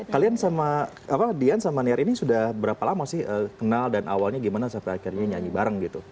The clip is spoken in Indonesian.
kalian sama dian sama niar ini sudah berapa lama sih kenal dan awalnya gimana sampai akhirnya nyanyi bareng gitu